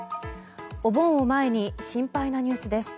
お盆を前に心配なニュースです。